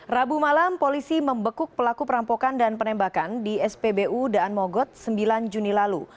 rabu malam polisi membekuk pelaku perampokan dan penembakan di spbu daan mogot sembilan juni lalu